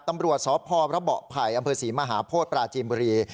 ตำรวจสพระเบาะไผ่อำเภอศรีมหาโพธิปราจีนบุรี